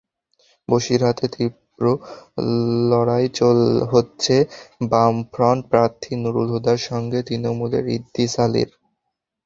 বসিরহাটে তীব্র লড়াই হচ্ছে বামফ্রন্ট প্রার্থী নুরুল হুদার সঙ্গে তৃণমূলের ইদ্রিস আলির।